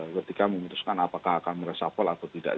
ketika memutuskan apakah akan meresapol atau tidak